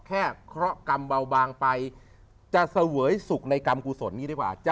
เคราะหกรรมเบาบางไปจะเสวยสุขในกรรมกุศลนี้ดีกว่า